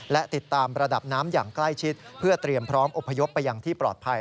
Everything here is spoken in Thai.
และติดตามระดับน้ำอย่างใกล้ชิดเพื่อเตรียมพร้อมอบพยพไปอย่างที่ปลอดภัย